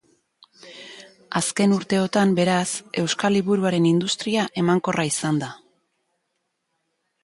Azken urteotan, beraz, euskal liburuaren industria emankorra izan da.